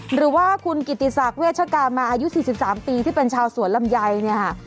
หรือว่าคุณกิติศักดิ์เวชกามาอายุ๔๓ปีที่เป็นชาวสวนลำไยเนี่ยค่ะ